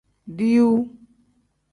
Diiwu.